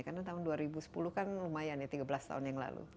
karena tahun dua ribu sepuluh kan lumayan ya tiga belas tahun yang lalu